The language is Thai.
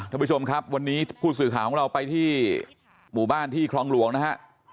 ทุกผู้ชมครับวันนี้ผู้สื่อข่าวเราไปบ้านที่ครองร๋วงนะฮะ